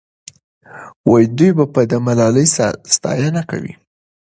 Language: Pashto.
دوی به د ملالۍ ستاینه کوي.